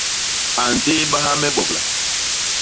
A ntéébaha me bobla.